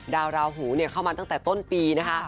ราหูเข้ามาตั้งแต่ต้นปีนะคะ